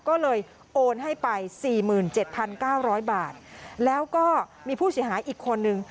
ก็เลยโอนให้ไป๔๗๙๐๐บาทแล้วก็มีผู้เสียหายอีกคนนึง